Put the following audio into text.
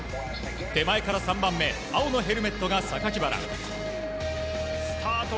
手前から３番目青のヘルメットがサカキバラ。